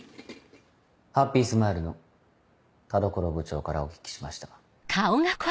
ハッピースマイルの田所部長からお聞きしました。